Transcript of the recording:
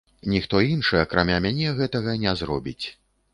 Ніхто іншы акрамя мяне гэтага не зробіць.